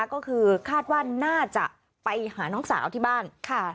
ก็คือคาดว่าน่าจะไปหาน้องสาวที่บ้าน